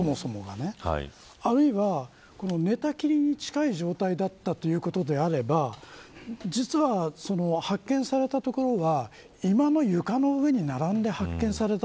あるいは、寝たきりに近い状態であったということであれば実は発見された所は居間の床の上に並んで発見された